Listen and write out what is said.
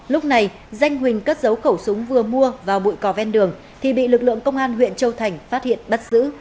lúc này danh huỳnh cất dấu khẩu súng vừa mua vào bụi cỏ ven đường thì bị lực lượng công an huyện châu thành phát hiện bắt giữ